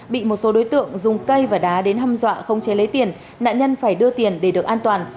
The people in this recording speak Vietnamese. bị một số đối tượng dùng cây và đá đến hâm dọa không chế lấy tiền nạn nhân phải đưa tiền để được an toàn